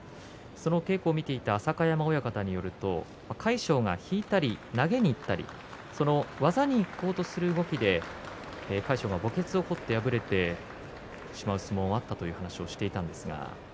その稽古を見ていた浅香山親方によると魁勝が引いたり、投げにいったり技にいこうとする動きで魁勝が墓穴を掘って敗れてしまう相撲もあったというふうに話していました。